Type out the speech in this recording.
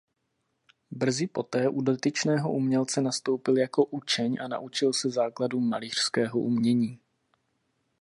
Brzy poté u dotyčného umělce nastoupil jako učeň a naučil se základům malířského umění.